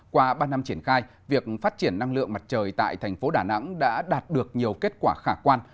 qua ba năm triển khai việc phát triển năng lượng mặt trời tại thành phố đà nẵng đã đạt được nhiều kết quả khả quan